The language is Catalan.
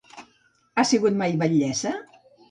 Ha sigut mai batllessa?